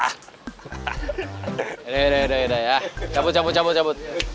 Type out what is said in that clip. yaudah yaudah yaudah ya cabut cabut cabut cabut